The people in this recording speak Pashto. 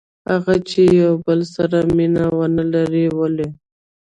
هغه چې یو له بل سره مینه ونه لري؟ ولې؟